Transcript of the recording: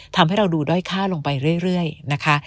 ทำให้เราดูด้อยค่าลงไปเรื่อยนะคะ